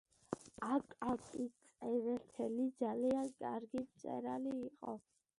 აკაკი წერეთელი ძალიან კარგი მწერალი იყო